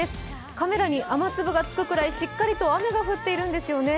カメラに雨粒がつくくらい、しっかりと雨が降っているんですよね。